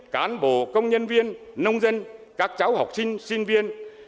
cán bộ công nhân viên nông dân các cháu học sinh sinh viên